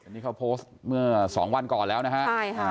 นี่เขาโพสต์เมื่อสองวันก่อนแล้วนะฮะใช่ค่ะ